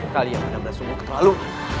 kalian tidak berasunguk terlalu